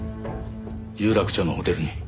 有楽町のホテルに。